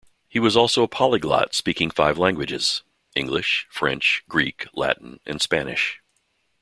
He also was a polyglot, speaking five languages: English, French, Greek, Latin and Spanish.